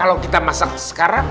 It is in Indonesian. kalo kita masak sekarang